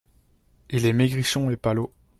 Il est maigrichon et palot.